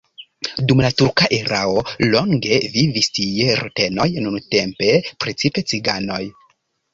Dum la turka erao longe vivis tie rutenoj, nuntempe precipe ciganoj.